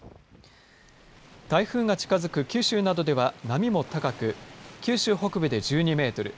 台風が近づく九州などでは波も高く九州北部で１２メートル。